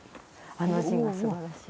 あの字が素晴らしい。